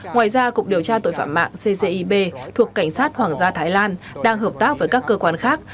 ngoài ra cục điều tra tội phạm mạng ccib thuộc cảnh sát hoàng gia thái lan đang hợp tác với các cơ quan khác